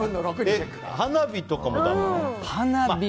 花火とかもだめ？